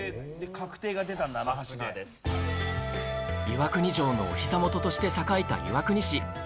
岩国城のおひざ元として栄えた岩国市